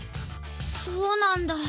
そうなんだ。